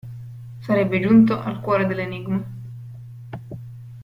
Sarebbe giunto al cuore dell'enigma.